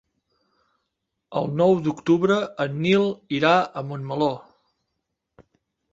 El nou d'octubre en Nil irà a Montmeló.